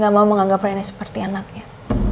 gak mau menganggap rena seperti anaknya